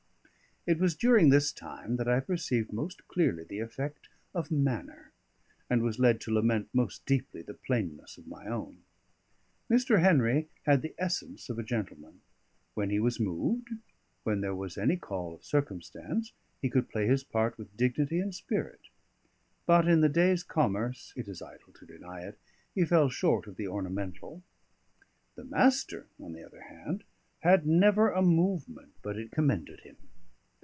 It was during this time that I perceived most clearly the effect of manner, and was led to lament most deeply the plainness of my own. Mr. Henry had the essence of a gentleman; when he was moved, when there was any call of circumstance, he could play his part with dignity and spirit; but in the day's commerce (it is idle to deny it) he fell short of the ornamental. The Master (on the other hand) had never a movement but it commended him.